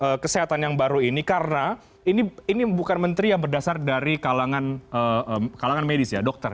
untuk kesehatan yang baru ini karena ini bukan menteri yang berdasar dari kalangan medis ya dokter